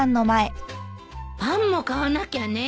パンも買わなきゃね。